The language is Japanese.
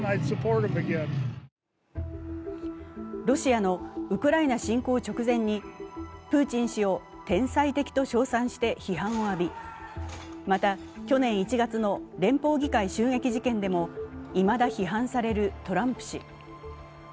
ロシアのウクライナ侵攻直前にプーチン氏を天才的と称賛して批判を浴び、また去年１月の連邦議会襲撃事件でもいまだ批判されるトランプ氏。